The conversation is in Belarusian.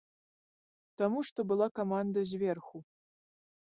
Таму што была каманда зверху.